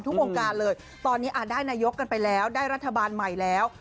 ทุกวงการเลยตอนนี้ได้นายกกันไปแล้วได้รัฐบาลใหม่แล้ว